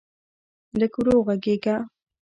لږ ورو غږېږه.